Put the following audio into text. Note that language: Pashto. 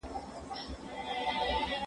کېدای سي کالي لمد وي.